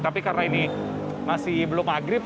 tapi karena ini masih belum maghrib